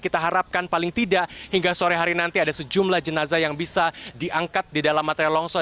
kita harapkan paling tidak hingga sore hari nanti ada sejumlah jenazah yang bisa diangkat di dalam materi longsor